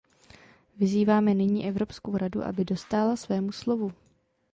Vyzýváme nyní Evropskou radu, aby dostála svému slovu.